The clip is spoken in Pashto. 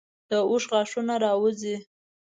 د اوښ غاښونه راوځي.